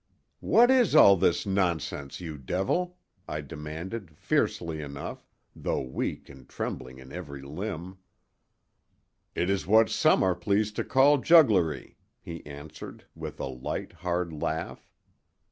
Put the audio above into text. "What is all this nonsense, you devil?" I demanded, fiercely enough, though weak and trembling in every limb. "It is what some are pleased to call jugglery," he answered, with a light, hard laugh.